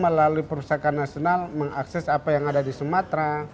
melalui perpustakaan nasional mengakses apa yang ada di sumatera